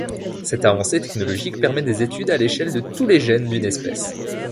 Cette avancée technologique permet des études à l'échelle de tous les gènes d'une espèce.